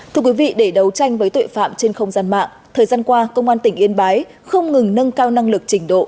thưa quý vị để đấu tranh với tội phạm trên không gian mạng thời gian qua công an tỉnh yên bái không ngừng nâng cao năng lực trình độ